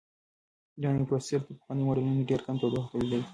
دا نوی پروسیسر تر پخوانیو ماډلونو ډېر کم تودوخه تولیدوي.